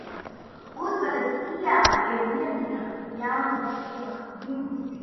Uzvaras iela ir viena no Jelgavas ielām.